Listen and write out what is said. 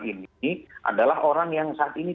ini adalah orang yang saat ini